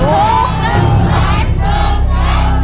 ถูก